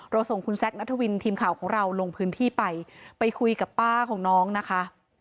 ส่งคุณแซคนัทวินทีมข่าวของเราลงพื้นที่ไปไปคุยกับป้าของน้องนะคะ